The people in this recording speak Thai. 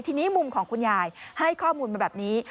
ทีนี้มุมของคุณยายให้ข้อมูลมาแบบนี้